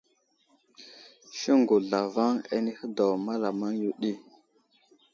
Siŋgu zlavaŋ anəhi daw malamaŋ yo ɗi.